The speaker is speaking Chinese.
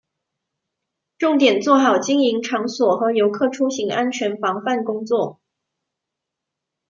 重点做好经营场所和游客出行安全防范工作